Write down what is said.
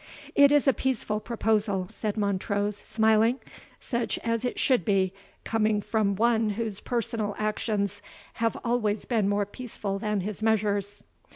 "It is a peaceful proposal," said Montrose, smiling, "such as it should be, coming from one whose personal actions have always been more peaceful than his measures.